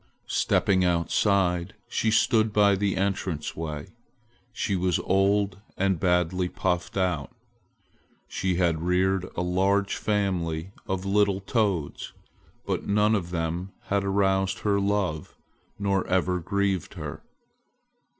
Stepping outside, she stood by the entrance way. She was old and badly puffed out. She had reared a large family of little toads, but none of them had aroused her love, nor ever grieved her.